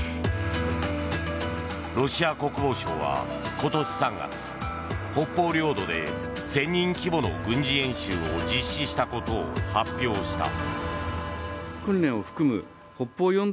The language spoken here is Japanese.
ロシア国防省は今年３月北方領土で１０００人規模の軍事演習を実施したことを発表した。